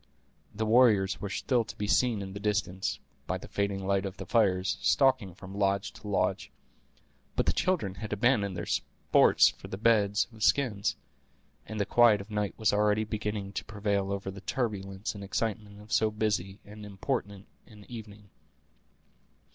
The warriors were still to be seen in the distance, by the fading light of the fires, stalking from lodge to lodge. But the children had abandoned their sports for their beds of skins, and the quiet of night was already beginning to prevail over the turbulence and excitement of so busy and important an evening.